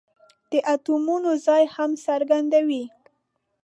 د اتومونو ځای هم څرګندوي.